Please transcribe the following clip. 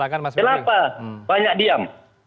kenapa banyak diam